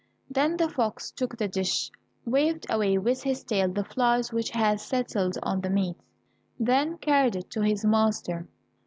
Then the fox took the dish, waved away with his tail the flies which had settled on the meat, and then carried it to his master.